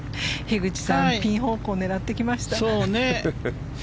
樋口さんピン方向狙ってきました。